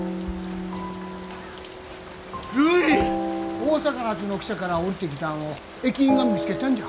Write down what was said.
大阪発の汽車から降りてきたんを駅員が見つけたんじゃ。